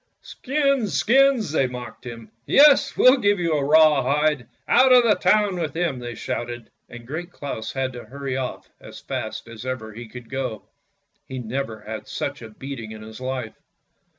"Skins, skins!" they mocked him. "Yes, we'll give you a raw hide. Out of the town with him! " they shouted, and Great Claus had to hurry off as fast as ever he could go. He had never had such a beating in his life.